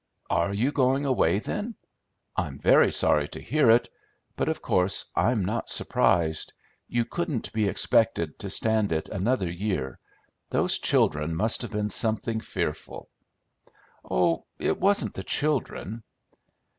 "Are you going away, then? I'm very sorry to hear it; but of course I'm not surprised. You couldn't be expected to stand it another year; those children must have been something fearful." "Oh, it wasn't the children."